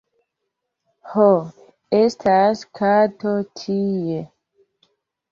Ho, estas kato tie...